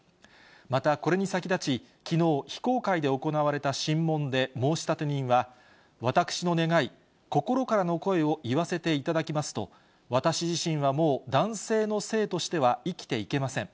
また、これに先立ち、きのう、非公開で行われた審問で申立人は、私の願い、心からの声を言わせていただきますと、私自身はもう、男性の性としては生きていけません。